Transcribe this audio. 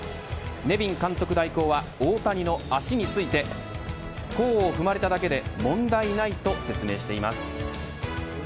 ネビン監督代行は大谷の足について甲を踏まれただけで問題ないと説明しています。